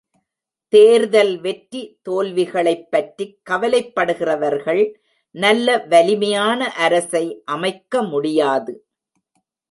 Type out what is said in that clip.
தேர்தல் வெற்றி தோல்விகளைப் பற்றிக் கவலைப்படுகிறவர்கள் நல்ல வலிமையான அரசை அமைக்க முடியாது.